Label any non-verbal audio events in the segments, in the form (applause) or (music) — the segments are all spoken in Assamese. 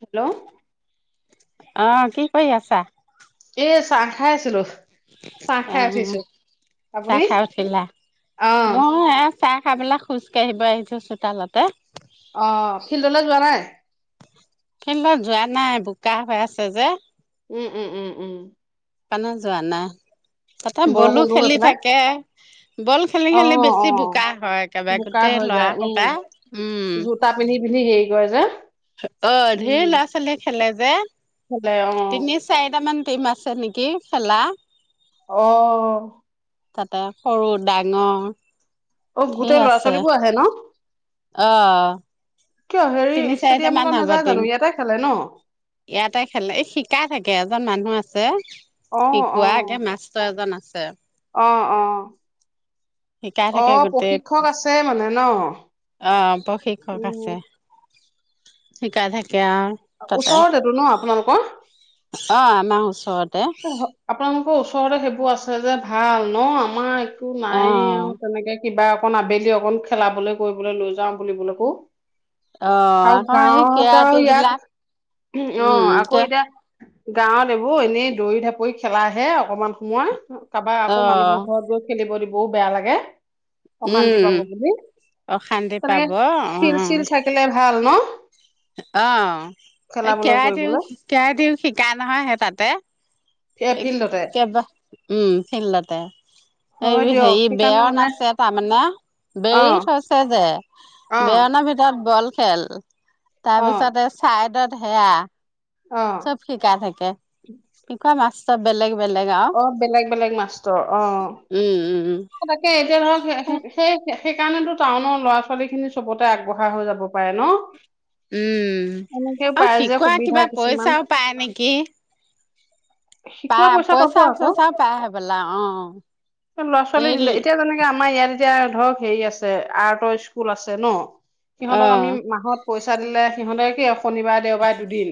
হেল্ল'! অ কি কৰি আছা। এ চাহ খাই আছিলো। চাহ অ খাই উঠিছো চাহ আপুনি খাই‌ উথিলা? অ চাহ খাইাপেলাই খোজ কাঢ়িব আহিছো চোতালতে। অ ফিল্ডলৈ যোৱা নাই ফিলদত যোৱা নাই বোকা হৈ আছে যে, উম উম! উম! উম! সেইকাৰণে যোৱা নাই। তাতে বলো বৰষুণটো হৈ খেলি পেলাই থাকে বল খেলি অ খেলি অ বেছি বোকা হয় একবাৰে বোকা গোটেই হৈ লৰা যায় উম সোপা, উম! কি কয় যে, অ ঢেৰ উম ল'ৰা ছোৱালীয়ে খেলে যে ভালে অ তিনি চাৰিট মান (unintelligible) অ'। তাতে সৰু ডাঙৰ। অ', ঢেৰ গোটেই লৰা আছে, ছোৱালীবোৰ আহে ন। অ'। কিয় তিনি হেৰি চাৰিটামান ষ্টেডিয়ামলৈ হ'ব নাযায় টিম। জানো ইয়াতে খেলে ন। ইয়াতে খেলে, এই শিকাই থাকে এজন মানুহ আছে অ অ শিকোৱা একে মাষ্টৰ এজন আছে। ছে অ', অ'। শিকাই অ থাকে গোটেই প্ৰশিক্ষক আছে মানে ন অ ', প্ৰশিক্ষক উম আছে শিকাই থা ওচৰৰতটো ন আপোনালোকৰ। অ', আমাৰ ওচৰ (unintelligible) আকৌ ওচৰতে সেইবোৰ আছে যে ভাল ন আমাৰ এ কো অ নাইয়ে আৰু তেনেকে। কিবা অকণ আবেলি অকন খেলাবলৈ কৰিবলৈ লৈ যাও বুলিবলৈ কো। অ', আকৌ এ আৰু ইয়াত কেৰাতিবিলাক অ উম আকৌ কে এতিয়া গাঁৱত এইবোৰ এনেই দৌৰি ঢাপৰি খেলাাহে অকমান সময়। তাৰপা অ আকৌ মানুহৰ ঘৰত গৈ খেলিব দি বও বেয়া লাগে। অশান্তি উম পাব বুলি অশান্তি তেনেকে পাব অ ফিল-চিল থাকিলে ভাল ন। অ', এই খেলাবলৈ কেৰাইটিও কৰিবলৈ কেৰাইটিও ফিল্ডতে একেবা উম। (unintelligible) (unintelligible) হয় দিয়ক হেৰি সেইকাৰণে বেৰন মানে আছে তাৰমানে অ বেৰি থৈছে যে। অ বেৰনৰ ভিতৰত বল খেল। অ তাৰপিছত চাইডত সেয়া। অ চব শিকা থাকে। (unintelligible) অ 'বেলেগ উম উম তাকে এতিয়া ধৰ উম (unintelligible) সেইকাৰণেতো টাউনৰ ল'ৰা ছোৱালী খিনি চবতে আগবঢ়া হৈ যাব পাৰে ন? উম, এনেকেও আৰু পাই যে শিকোৱা সুবিধা কিবা কিছুমান পইচাও পায় নেকি? শিকোৱা পায়, পইচা পাব আকৌ পইচা-সৈচা পায় হবলা, অ। চলি এই দিলে, এতিয়া যেনেকে আমাৰ ইয়াৰ এতিয়া ধৰক হেৰি আছে, আৰ্টৰ স্কুল আছে ন। অ সিহঁতক আমি মাহত পইচা দিলে সিহঁতে কি শনিবাৰ দেওবাৰ, দুদিন।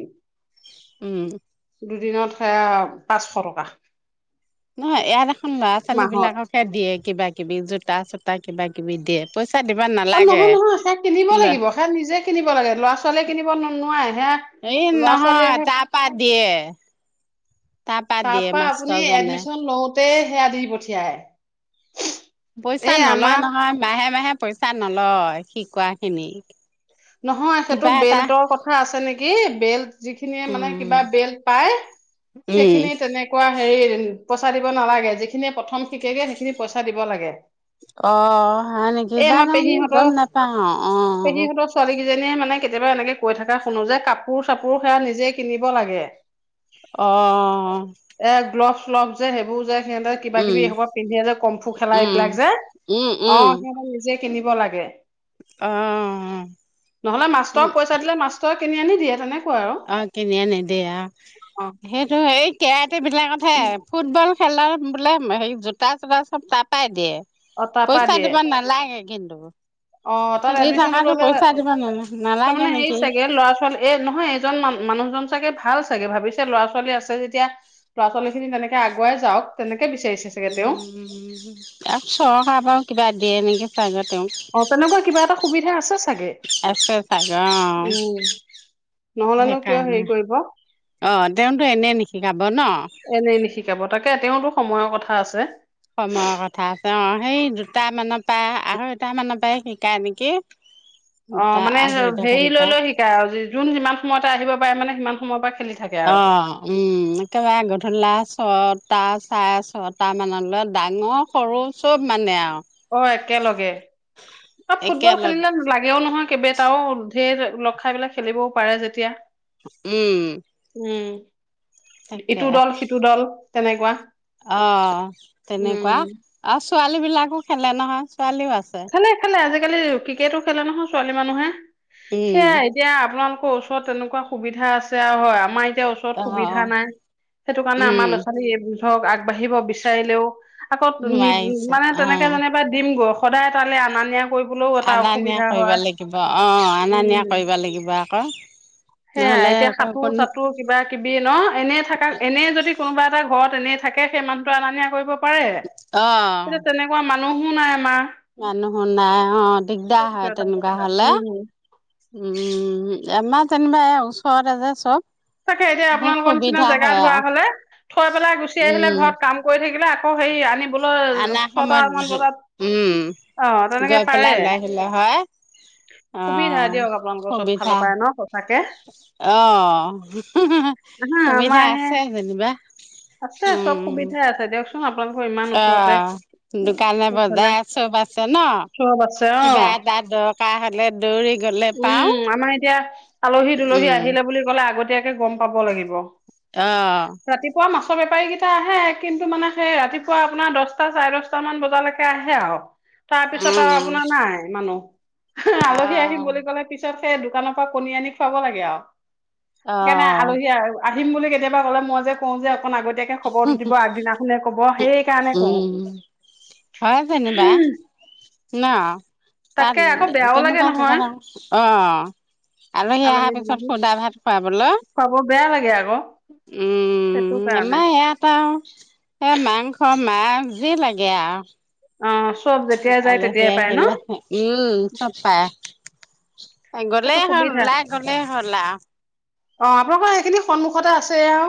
উম দুদিনত সেয়া পাঁচশ টকা। নহয়, ইয়াত এখন ল'ৰা ছোৱালী মাহত বিলাককে দিয়ে। কিবা কিবি জোতা চোতা কিবা কিবি দিয়ে। পইচা দিব নালাগে অ'নহয় নহয়, সেই কিনিব লাগিব সেয়া নিজে কিনিব লাগে। ল'ৰা ছোৱালীয়ে কিনিব ন নোৱাৰে। সেয়া এই ল'ৰা ছোৱালীয়ে নহয়, তাৰ পা দিয়ে। তাৰ পৰা আপুনি এডমিচন লওতে সেয়া দি পঠি (unintelligible) পইচা নলয় নহয়, মাহে মাহে পইচা নলয়। শিকোৱা খিনি। নহয়, সেইটো কিবা এটা বেল্টৰ কথা আছে নেকি, বেল্ট যিখিনিয়ে মানে উম কিবা বেল্ট পাই উম সেইখিনি তেনেকুৱা হেৰি পইচা দিব নালাগে। যিখিনিয়ে প্ৰথম শিকেগে সেইখিনি পয়চা দিব লাগে। অ, হয় নেকি, এই আমাৰ জানো পেহীহঁতৰ গম নাপাও অ'অ'অ। কিজনীয়ে মানে কেতিয়াবা এনেকে কৈ থকা শুনো যে কাপোৰ চাপোৰ সেয়া নিজে কিনিব লাগে। অঁ অঁ। গ্লবচ যে সেইবোৰ যে সিহঁতে কিবা কিবি এইসোপা পিন্ধে যে কমফু খেলা উম এইবিলাক যে, উম অ' সিহঁতে নিজে কিনিব লাগে। অ', অ' অ'। নহলে মাষ্টৰক পইচা দিলে মাষ্টৰে কিনি আনি দিয়ে তেনে। অ' কিনি আনি দিয়ে অ', অ', সেইটো এই (unintelligible) (unintelligible) ফুটবল খেলৰ বোলে হেৰি জোতা চোতা চব তাৰপাই দিয়ে। অ', তাৰপা পইছা দিয়ে দিব নালাগে। কিন্তু। অ, তাত খেলি এডমিশনটো থকাতো ললে পইচা দিব নালাগে তাৰমানে হেৰি নেকি চাগে ল'ৰা ছোৱালী এ, নহয়, এজন মানুহ। মানুহজন চাগে ভাল চাগে ভাবিছে ল'ৰা-ছোৱালী আছে যেতিয়া ল'ৰা-ছোৱালী খিনি তেনেকে আগুৱাই যাওক তেনেকে। বিচাৰিছে চাগে উ, তেওঁ একচৰ খাব কিবা দিয়ে নেকি? (inaudible) অ' তেনেকুৱা কিবা এটা সুবিধা আছে চাগে। আছে চাগৈ অ', উম, নহলেনো কিয় হেৰি সেইকাৰণে কৰিব। অ', তেওঁতো এনেই নিশিকাব ন এনেই নিশিকাব তাকে, তেওঁতো? সময়ৰ কথা আছে। সময়ৰ কথা আছে। অ' সেই দুট মানৰ পৰা, আঢ়ৈ তা মানৰ পৰাই শিকাই নেকি? অ' দুটা মানে আঢ়ৈটা হেৰি মানৰ পৰা লৈ-লৈ শিকাই আৰু যোন, যিমান সময়তে আহিব পাৰে মানে সিমান সময় বা অ' উম, একেবাৰে গধূল লা ছটা, চাৰে ছটামানলৈ ডাঙৰ, সৰু চব মানে আৰু। অ' একেলগে আৰু ফুটবল একেলগ খেলিলে লাগেও নহয় কেবটাও। ধেই ল খাই বিলাক খেলিবও পাৰে যেতিয়া। উম। উম। তাকে ইটো দল, সিটো দল। তেনেকুৱা। অ' তেনেকুৱা উম অ', ছোৱালী বিলাকো খেলে নহয়। ছোৱালীও আছে খেলে-খেলে আজিকালি ক্ৰিকেটো খেলে নহয়। ছোৱালী, মানুহে। সেয়া উম। এতিয়া আপোনালোকৰ ওছ তেনেকুৱা সুবিধা আছে আৰু হয়, আমাৰ এতিয়া ওচৰত অ সুবিধা নাই, সেইটো কাৰণে আমাৰ ল'ৰা উম চোৱালী বুজ ধৰক, আগবাঢ়িব বিচাৰিলেও। শাকত নি নোৱাৰিছে মানে, অ তেনেকৈ যেনিবা দিম সদায় তালৈ, আনা-নিয়া। আনা, নিয়া কৰিব লাগিব অ, আনা নিয়া উম। কৰিব লাগিব। আকৌ সেয়া নহ'লে এতিয়া আকৌ কোন সাঁতোৰ-চাতোৰ কিবা-কিবি ন এনে থাকা এনে যদি কোনোবা এটা ঘৰত এনে থাকে, সেই মানুহটো আনা-নিয়া কৰিব। পাৰে অ তেনেকুৱা মানুহ। মানুহো নাই আমাৰ। মানুহো নাই অ' দিগদাৰ হয় সেইটো এটা তেনেকুৱা কথা। হ'লে। উম উম, আমাৰ চেমবা ওচৰতে যে চব তাকে এতিয়া সেই আপোনালোকৰ নিচিনা সুবিধা জেগা হয় ধৰা আৰু হ'লে, থৈ পেলাই গুচি আহিলে উম ঘৰত কাম কৰি থাকিলে। সেই আনিবলৈ আনা ছটা মান সময়ত বজাত, উম অ' তেনেকে গৈ পাৰে। পেলাই লৈ আহিলে হয় অ সুবিধা দিয়ক আপোনালোকৰ চব সুবিধা ফালৰ পৰা ন সঁচাকে। হু! হু! হু! হা সুবিধা আমাৰ হে আছে যেনিবা। আছে চব উম সুবিধাই আছে। দিয়কচোন আপ অ'! দোকানে ইফালে বজাৰ চব আছে ন'। চব আছে কিবা অ এটা দৰকাৰ হ'লে দৌৰি গ'লে উম পাওঁ। আমাৰ এতিয়া উম! এ, গম পাব লাগিব। অ'! ৰাতিপুৱা মাছৰ বেপাৰী কেইটা আহে। কিন্তু মানে, সেই ৰাতিপুৱা আপোনাৰ দহটা চাৰে দহটা মান বজালৈকে আহে আৰু। তাৰপিছত উম, আৰু আপোনাৰ নাই মানুহ। আলহী আহিম অ'। বুলি ক'লে পিছত এ, দোকানৰ পৰা কণী আনি খুৱাব লাগে আৰু। সেইকাৰণে অ' আলহী আ আহিম বুলি কেতিয়াবা ক'লে! মই যে (unintelligible) খবৰটো দিব আগদিনাখনে ক'ব সেইকাৰণে কওঁ উম, হয়। যেনিবা ন'! তাত তাকে আকৌ বেয়াও লাগে তেনেকুৱা নহয় কেতিয়াবা অ'! আলহী অহাৰ পিছত সোধা ভাত খুৱাবলৈ। খুৱাব বেয়া লাগে আকৌ সেইটো উম'! কাৰণে আমাৰ ইয়াপা আৰু এ, মাংস (unintelligible) লাগে আৰু। অ', চব যেতিয়াই যায় আলহী তেতিয়াই পায় ন? আহিলে, উম, চব পায়। গ'লে সেইটো হ'ল, সুবিধা। ওলাই গ'লে হ'ল আৰু। অ'! আপোনালোকৰ এইখিনি সন্মুখতে আছে আৰু।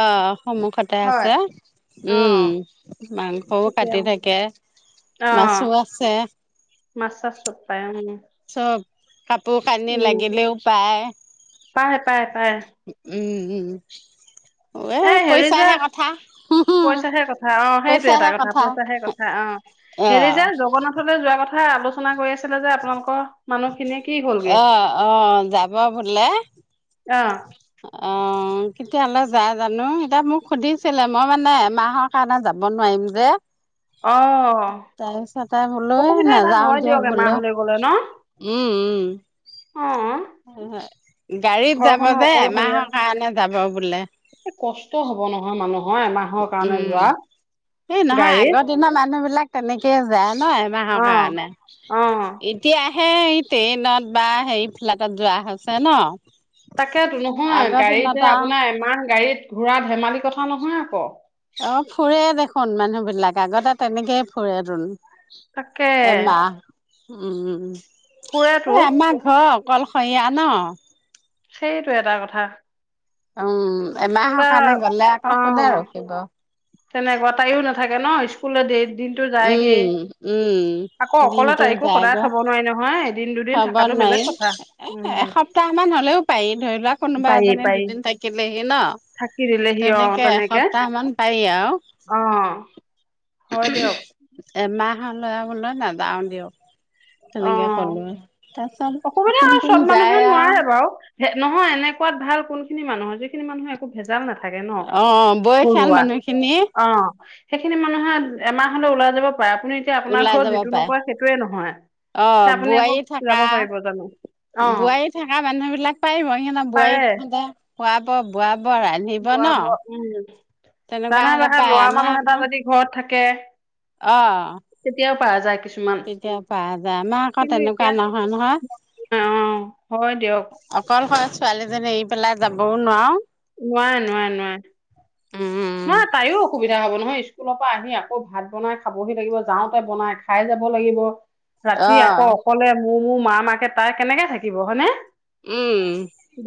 অ'! সন্মুখতে হয়, আছে। উম, অ', মাংসও ঠিকে কাটি অ', থাকে। অ মাছো আছে। মাছ চাছ চব পায় উম, চব কাপোৰ কানি উম, লাগিলেও পায়। পায়, পায়, পায়। উম! উম! এ, হেৰি যে, পইচাহে কথা। পইচাহে কথা, অ'! সেইটোৱেই এটা কথা পইচাহে কথা, অ'! হেৰি যে অ', জগন্নাথলৈ যোৱা কথা (unintelligible) আলোচনা কৰি আছিলে যে আপোনালোকৰ মানুহখিনিয়ে কি হ'লগে? অ'! অ'! যাব বোলে। অ', অঁ! কেতিয়ালে যায় জানো? এতিয়া মোক সুধিছিলে! মই মানে, এমাহৰ কাৰণে যাব নোৱাৰিম যে। অ', তাৰ পিছত, বোলো অসুবিধা এটা নাযাওঁ হয় দিয়ক বোলো। এমাহলৈ গ'লে ন? উম! উম! অ', গাড়ীত যাব ঘৰখনো যে অকলশৰীয়া এমাহৰ কাৰণে যাব বোলে। এ কষ্ট হব নহয় মানুহৰ এমাহৰ কাৰণে উম যোৱা সেই নহয় গাড়ীত আগৰ দিনৰ মানুহ বিলাক তেনেকে যায়। ন এমাহৰ অ কাৰণে অ এতিয়া হে ই ট্ৰেইনত বা হেৰি ফ্লাইটত যোৱা হৈছে ন? তাকেতো। নহয়, আগৰ গাড়ী যে দিনত আৰু আপোনাৰ এমাহ গাড়ীত ঘূৰা ধেমালি কথা নহয় আকৌ। অ', ফুৰে দেখোন মানুহ বিলাক। আগতে তেনেকেই ফুৰে তোন। তাকে, উহুম উম। ফুৰেতো এ আমাৰ ঘৰ কলশৰীয়া ন। সেইটো এটা কথা উম। কোনোবা এমাহৰ কাৰণে গলে অ আকৌ কোনে ৰখিব। তেনেকুৱা। তায়ো নাথাকে ন। স্কুললে ডেৰি দিনটো যায়গে। উম উম আকৌ অকলে তাইকো সদায় থব নোৱাৰি নহয়। এদিন দুদিন হব থকাটো বেলেগ নোৱাৰিম। কথা এ উম এসপ্তাহ মান হলেও পাৰি। ধৰি লোৱা কোনোবা পাৰি এজনে পাৰি দুদিন থাকিলে কে ন। থাকি দিলেহি অ তেনেকে এসপ্তাহ মান পাৰি অ হয় আৰু। দিয়ক এমাহ ধান লৰাবলৈ নাযাওঁ দিয়ক। তেনেকে কলো আৰু। অকমানে আৰু চব মানুহে আৰু নোৱাৰে বাৰু ন নহয় এনেকুৱা ভাল কোন খিনি মানুহ যিখিনি মানুহ একো ভেজাল নাথাকে ন অ বয়সীয়াল ঘৰুৱা মানুহখিনি অ সেইখিনি মানুহে এমাহ হলে ওলাই যাব আপুনি এতিয়া আপোনাৰ ওলাই ঘৰত যাব যিটো পাৰে নকৰে সেইটোৱে নহয়। তে অ', আপুনি আকৌ বোৱাৰী থাকা যাব পাৰিব জানো অ বোৱাৰী থাকা মানুহ বিলাক পাৰে প্ৰায় সিহঁতে খুৱাব বোৱাব ৰান্ধিব ন বোৱাব উম তেনেকুৱা জানা হলে নহয় পায় ল'ৰা মানুহ এটা যদি ঘৰত থাকে অঁ, পোৱা যায় কিছু তেতিয়া পাৰা যায় আমা আকৌ তেনেকুৱা এতিয়া নহয় নহয় অ হয় দিয়ক অকল সৰে ছোৱালীজনী এৰি পেলাই যাবও নোৱাৰ। নোৱাৰে নোৱাৰে নোৱাৰে। উম উম মই স্কুলৰ পৰা আহি আকৌ ভাত বনাই খাবহি লাগিব যাওঁতে বনাই খাই যাব লাগিব। ৰাতি আকৌ অ অকলে। মো মো মা মাকে তাই কেনেকে থাকিব হয়নে। উম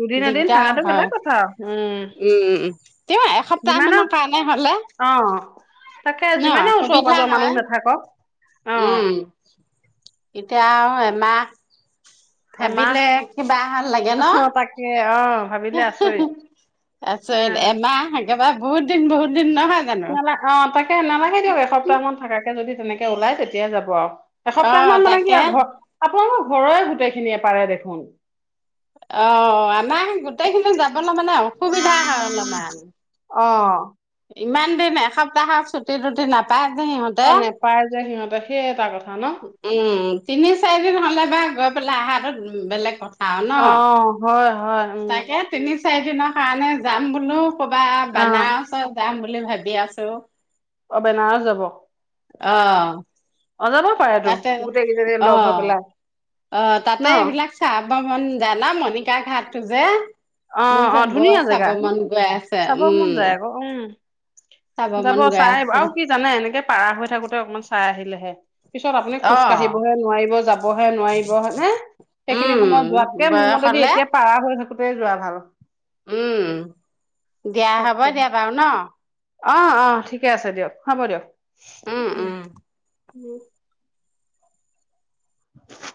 দুদিন এদিন দিগদাৰ থকাটো হয়, বেলেগ কথা উম উম তেওঁ এসপ্তাহ যিমানে মানৰ কাৰনে হ'লে। অ'। তাকে ন' যিমানে ওচৰ সুবিধা পাজৰ মানুহ হয়, নাথাকক অ উম এতিয়া আৰু এমাহ এমাহ ভাবিলে কিবাহে লাগে ন' অ তাকে অ ভাবিলে আচৰিত অ আচৰিত এমাহ একেবাৰে বহুত দিন বহুত দিন নহয় জানো। এই নালাগে দিয়ক এসপ্তাহ মান থাকাকে যদি তেনেকে ওলাই তেতিয়াই যাব আৰু। অ এসপ্তাহ মান মানে কি তাকে আৰু ঘৰত আপোনালোকৰ ঘৰৰে গোটেইখিনিয়ে পাৰে দেখোন। অ' আমাৰ গোটেইখিনি যব‌ বল অলপ মানে অসুবিধা হয় অলপমান। অ ইমান দিন এসপ্তাহত ছুটি টি নাপায়। (inaudible) তে, সেই এটা কথা‌ উম, তিনি চাৰিদিন হ'লে বা গৈ পেলাই আহাতো বেলেগ কথ অ', হয়, হয়, উম। চাৰিদিনৰ কাৰণে যাম বোলো ক'বা বানাৰচত যাম বুলি লি ভাবি আছোঁ অ, বেনাৰচ যাব? অ' অ যাব পাৰেতো তাতে, গোটেই কেইজনী লগ হৈ অ', পেলাই অ ন তাতে এইবিলাক চাব মন যায় ন মণিকা ঘাট টো যে মোৰ অ', যে অ', বৰ ধুনীয়া চাব জেগা। মন গৈ আছে চাব মন যায় উম আকৌ, উম। চাব যাব মন গৈ চাই আহিব। আছে আৰু কি জানে, এনেকে পাৰা হৈ থাকোতে অকমান চাই আহিলেহে পিছত আপুনি অ খোজ কাঢ়িবহে নোৱাৰিব, যাবহে নোৱাৰিব হয়নে? সেইখিনি উম সময়ত যোৱাতকে মোৰ বয়স মতেদি হলে এতিয়া পাৰা হৈ থাক কোতেই যোৱা ভাল। উম, দিয়া, হ'ব দিয়া বাৰু ন'। অ'-অ', ঠিকে আছে দিয়ক, হ'ব দিয়ক। উম। উম্। (inaudible)